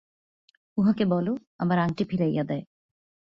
উহাকে বলো, আমার আংটি ফিরাইয়া দেয়।